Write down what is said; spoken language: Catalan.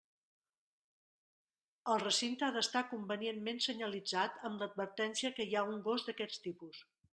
El recinte ha d'estar convenientment senyalitzat amb l'advertència que hi ha un gos d'aquests tipus.